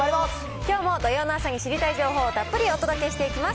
きょうも土曜の朝に知りたい情報をたっぷりお届けしていきます。